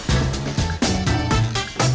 kita bikinnya banyak juga